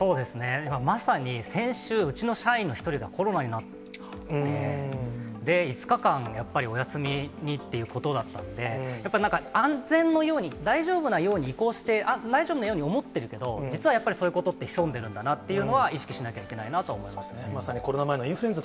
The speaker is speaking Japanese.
まさに先週、うちの社員の１人がコロナになって、５日間、やっぱりお休みにっていうことだったんで、やっぱりなんか安全のように、大丈夫のように移行して、あっ、大丈夫のように思ってるけど、実はやっぱりそういうことって潜んでるんだなっていうことは、意識しなきゃいけないなとは思いますね。